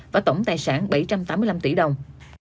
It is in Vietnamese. và tổng tài sản bảy trăm tám mươi năm tỷ đồng